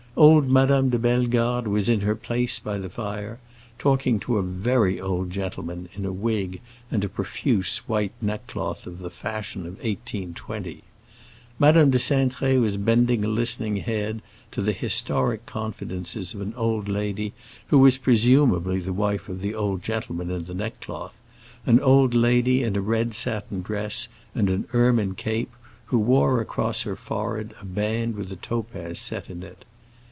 Old Madame de Bellegarde was in her place by the fire, talking to a very old gentleman in a wig and a profuse white neck cloth of the fashion of 1820. Madame de Cintré was bending a listening head to the historic confidences of an old lady who was presumably the wife of the old gentleman in the neckcloth, an old lady in a red satin dress and an ermine cape, who wore across her forehead a band with a topaz set in it.